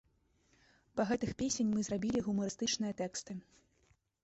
Да гэтых песень мы зрабілі гумарыстычныя тэксты.